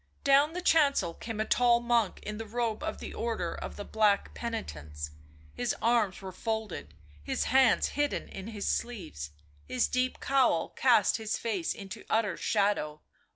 Down the chancel came a tall monk in the robe of the Order of the Black Penitents ; his arms were folded, his hands hidden in his sleeves, his deep cowl cast his face into utter shadow.